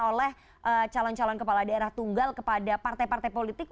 oleh calon calon kepala daerah tunggal kepada partai partai politik